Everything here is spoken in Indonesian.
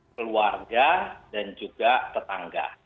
keluarga dan juga tetangga